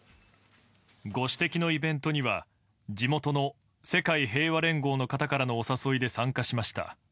ご指摘のイベントには、地元の世界平和連合の方からのお誘いで参加しました。